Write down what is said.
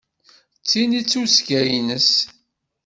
D tin i d tuzzga-ines.